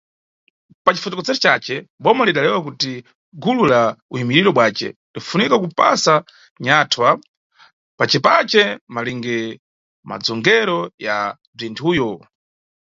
Pacifokotozero cace, Boma lidalewa kuti "gulu la uyimikiro bzwace linfunika kupasa nyathwa pacepace, malinge madzongero ya bzwinthuyo".